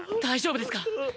大丈夫ですか？